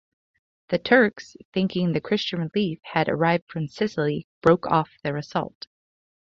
The Turks, thinking the Christian relief had arrived from Sicily, broke off their assault.